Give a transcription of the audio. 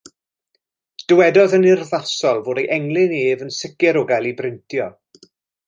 Dywedodd yn urddasol fod ei englyn ef yn sicr o gael ei brintio.